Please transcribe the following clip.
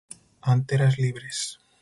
Anteras libres.